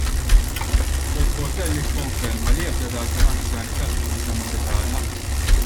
Paul Portelli kkonferma li ebda dar tal-anzjani tal-Knisja mhi se tagħlaq.